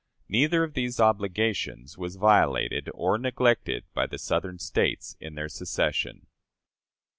Neither of these obligations was violated or neglected by the Southern States in their secession.